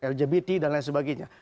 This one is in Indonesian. lgbt dan lain sebagainya